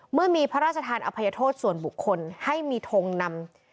เมื่อมีพระราชทานอภัยโทษส่วนบุคคลให้มีทงนำ